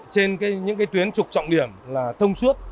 trên những tuyến trục trọng điểm là thông suốt